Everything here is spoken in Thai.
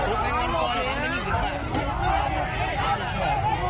ตอนนี้ก็ไม่มีอัศวินทรีย์ที่สุดขึ้นแต่ก็ไม่มีอัศวินทรีย์ที่สุดขึ้น